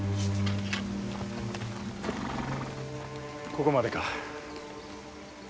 ここまでか。